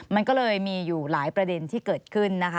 มันก็เลยมีอยู่หลายประเด็นที่เกิดขึ้นนะคะ